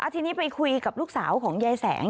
ทีนี้ไปคุยกับลูกสาวของยายแสง